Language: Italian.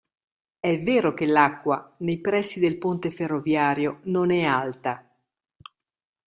È vero che l'acqua, nei pressi del ponte ferroviario non è alta.